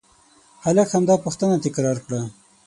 هلک همدا پوښتنه تکرار کړه.